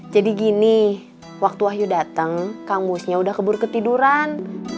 jadi gini waktu wahyu dateng kang musnya udah kebur ketiduran